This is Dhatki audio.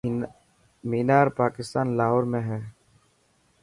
مينار پاڪستان لاهور ۾ هي.